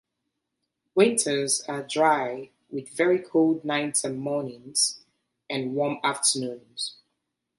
Winters are dry with very cold nights and mornings, and warm afternoons.